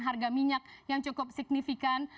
harga minyak yang cukup signifikan